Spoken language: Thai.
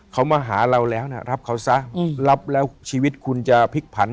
เขามาหาเราแล้วนะรับเขาซะรับแล้วชีวิตคุณจะพลิกผัน